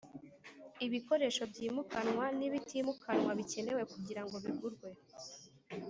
Ibikoresho byimukanwa n‘ibitimukanwa bikenewe kugira ngo bigurwe